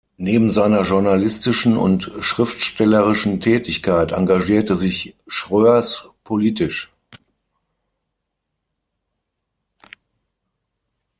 Neben seiner journalistischen und schriftstellerischen Tätigkeit engagierte sich Schroers politisch.